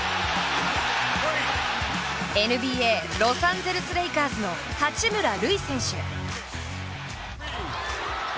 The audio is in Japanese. ＮＢＡロサンゼルス・レイカーズの八村塁選手！